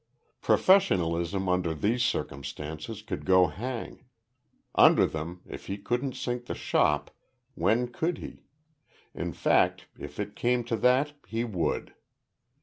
Professionalism under these circumstances could go hang; under them, if he couldn't sink the "shop," when could he? In fact, if it came to that he would.